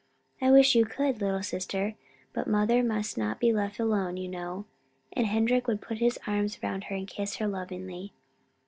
"I wish you could, little sister, but mother must not be left alone, you know." And Henrik would put his arms around her and kiss her lovingly.